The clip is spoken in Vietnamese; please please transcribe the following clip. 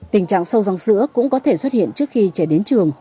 tình trạng sâu răng sữa cũng có thể xuất hiện trước khi trẻ đến trường